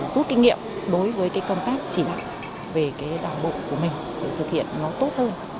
rút kinh nghiệm đối với cái công tác chỉ đạo về cái đảng bộ của mình để thực hiện nó tốt hơn